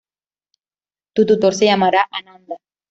Tu tutor se llamará Ananda.